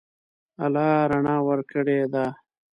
الله رڼا ورکړې ده.